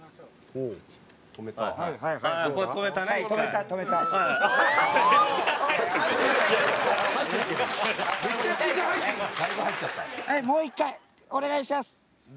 もう一回！お願いします！